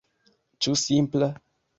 Ĉu simpla?